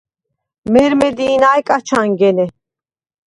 მე̄რმე დი̄ნაჲ კაჩ ანგენე.